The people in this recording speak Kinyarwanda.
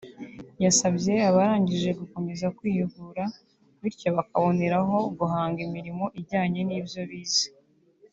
yasabye abarangije gukomeza kwihugura bityo bakaboneraho guhanga imirimo ijyanye n’ibyo bize